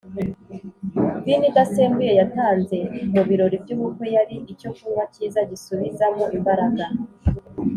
Vino idasembuye yatanze mu birori by’ubukwe yari icyo kunywa cyiza gisubizamo imbaraga